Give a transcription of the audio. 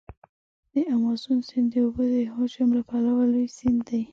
د امازون سیند د اوبو د حجم له پلوه لوی سیند دی.